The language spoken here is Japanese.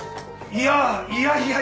いやいやいや。